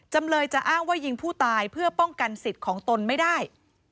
จำเลยจะอ้างว่ายิงผู้ตายเพื่อป้องกันสิทธิ์ของตนไม่ได้